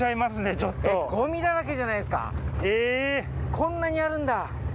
こんなにあるんだ。